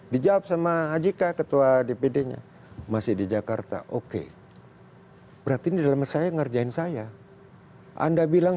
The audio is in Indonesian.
dijawab sama ajik ketua dpd nya masih di jakarta oke berarti di dalam saya ngerjain saya anda bilang